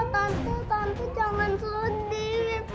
tante tante jangan sedih